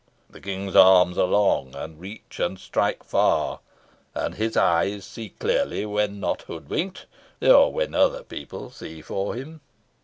The King's arms are long, and reach and strike far and his eyes see clearly when not hoodwinked or when other people see for him.